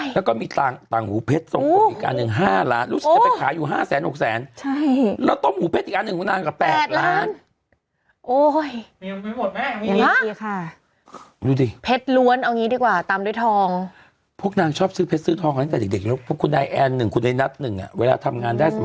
แล้วก็มีต่างหูเพชรส่งผมอีกอันหนึ่ง๕ล้านรู้สึกจะไปขายอยู่๕แสนหกแสนใช่แล้วต้มหมูเพชรอีกอันหนึ่งของนางกว่า๘ล้าน